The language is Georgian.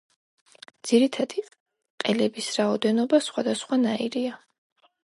ძირითადი ყელების რაოდენობა სხვადასხვანაირია.